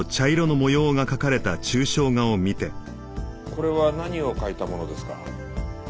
これは何を描いたものですか？